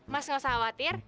mas nggak usah khawatir